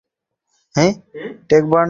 পরেশবাবু কহিলেন, পানুবাবু, তবে কি একটু বসবেন?